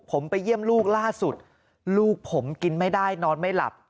ผมไปเยี่ยมลูกล่าสุดลูกผมกินไม่ได้นอนไม่หลับ